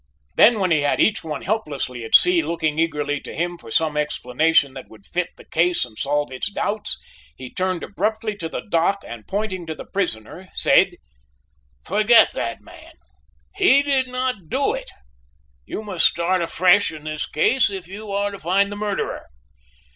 Then, when he had each one helplessly at sea looking eagerly to him for some explanation that would fit the case and solve its doubts, he turned abruptly to the dock and pointing to the prisoner, said: "Forget that man; he did not do it! You must start afresh in this case if you are to find the murderer!